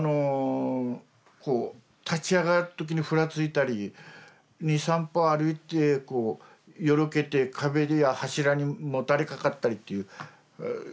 こう立ち上がる時にふらついたり２３歩歩いてよろけて壁に柱にもたれかかったりっていう状態だったの。